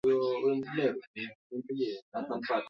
tofautitofauti kati ya emirati zinazozunda shirikisho hili